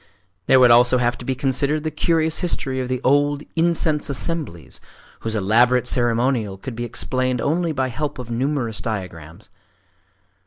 There would also have to be considered the curious history of the old "incense assemblies," whose elaborate ceremonial could be explained only by help of numerous diagrams.